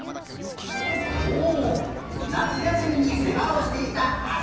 おおっなつやすみにせわをしていたあさがお。